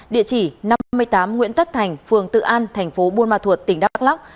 địa chỉ năm mươi tám nguyễn tất thành phường tự an thành phố buôn ma thuột tỉnh đắk lắc